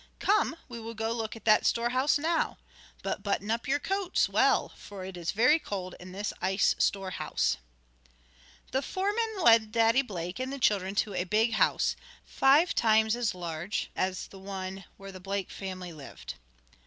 Come we will go look at that store house now. But button up your coats well, for it is very cold in this ice store house." The foreman led Daddy Blake and the children to a big house, five times as large as the one where the Blake family lived.